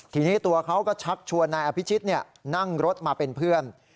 ทีนี้ตัวเขาก็ชักชวนนายอภิชิตนั่งรถมาเป็นเพื่อน